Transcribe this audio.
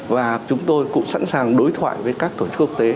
và chúng tôi cũng sẵn sàng đối thoại với các tổ chức quốc tế